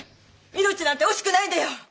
命なんて惜しくないんだよ！